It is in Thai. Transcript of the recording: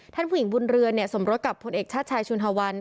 ท่านผู้หญิงบุญเรือนสมรวจกับผู้เอกชาติชายชุนฮาวัน